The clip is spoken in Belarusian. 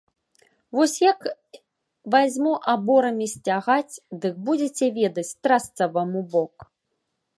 Вось як вазьму аборамі сцягаць, дык будзеце ведаць, трасца вам у бок!